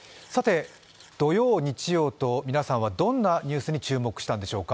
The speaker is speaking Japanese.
土曜、日曜と皆さんはどんなニュースに注目したんでしょうか？